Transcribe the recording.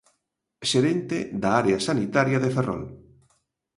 Xerente da área sanitaria de Ferrol.